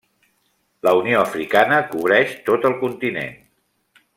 La Unió Africana cobreix tot el continent.